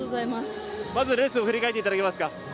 まずレースを振り返っていただけますか。